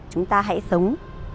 chúng ta hãy sống